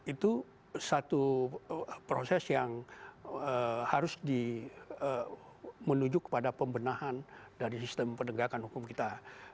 itu satu proses yang harus menuju kepada pembenahan dari sistem penegakan hukum kita